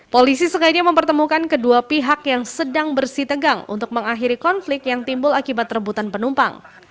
polisi sengaja mempertemukan kedua pihak yang sedang bersih tegang untuk mengakhiri konflik yang timbul akibat rebutan penumpang